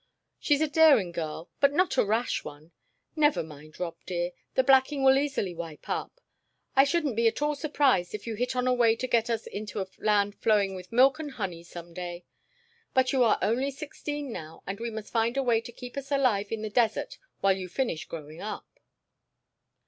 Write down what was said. She's a daring girl, but not a rash one. Never mind, Rob dear; the blacking will easily wipe up. I shouldn't be at all surprised if you hit on a way to get us into a land flowing with milk and honey some day. But you are only sixteen now, and we must find a way to keep us alive in the desert while you finish growing up."